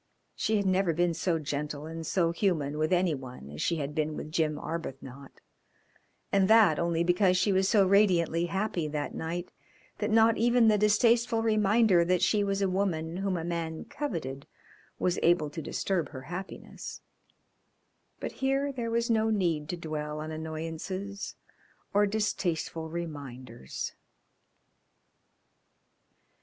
She had never been so gentle and so human with any one as she had been with Jim Arbuthnot, and that only because she was so radiantly happy that night that not even the distasteful reminder that she was a woman whom a man coveted was able to disturb her happiness. But here there was no need to dwell on annoyances or distasteful reminders.